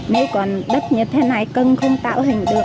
nếu còn đất như thế này cân không tạo hình được